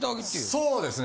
そうですね。